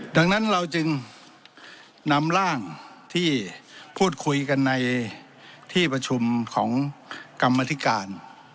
ดังนั้นเราจึงนำร่างที่พูดคุยกันในที่ประชุมของกรรมธิการ